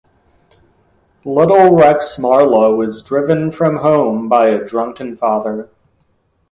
Little Rex Marlowe is driven from home by a drunken father.